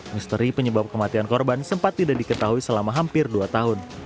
misteri penyebab kematian korban sempat tidak diketahui selama hampir dua tahun